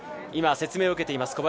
今、説明を受けています